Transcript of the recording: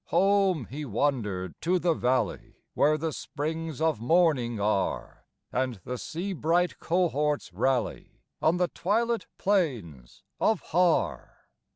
Home he wandered to the valley Where the springs of morning are, And the sea bright cohorts rally On the twilit plains of Har.